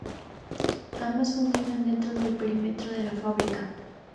Ambas funcionan dentro del perímetro de la fábrica.